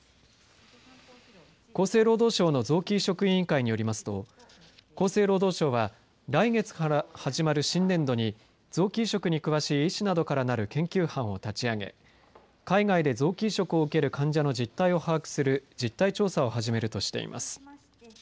厚生労働省の臓器移植委員会によりますと厚生労働省は来月から始まる新年度に、臓器移植に詳しい医師などからなる研究班を立ち上げ海外で臓器移植を受ける患者の実態を把握する実態調査を始めるとしています。